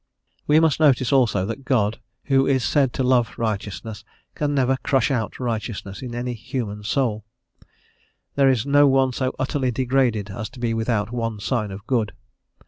We must notice also that God, who is said to love righteousness, can never crush out righteousness in any human soul. There is no one so utterly degraded as to be without one sign of good.